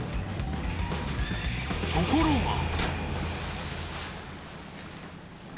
［ところが］